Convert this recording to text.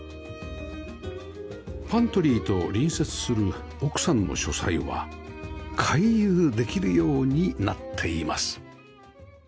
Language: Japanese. パントリーと隣接する奥さんの書斎は回遊できるようになっています